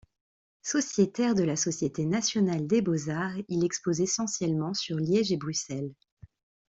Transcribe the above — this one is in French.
Sociétaire de la Société nationale des beaux-arts, il expose essentiellement sur Liège et Bruxelles.